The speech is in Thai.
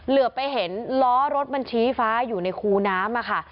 เหลือไปเห็นล้อรถมันชี้ฟ้าอยู่ในคูน้ำค่ะ